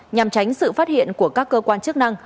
nhằm tránh sự phát hiện của các cơ quan chức năng